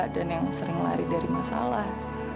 dan yang sering lari dari masalah